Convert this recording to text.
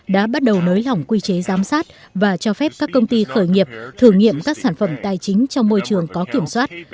đã bắt đầu nới lỏng quy chế giám sát và cho phép các công ty khởi nghiệp thử nghiệm các sản phẩm tài chính trong môi trường có kiểm soát